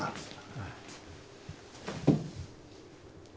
ああ。